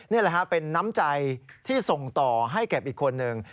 นี่แหละฮะเป็นน้ำใจที่ส่งต่อให้แก่อีกคนนึง